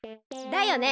だよね！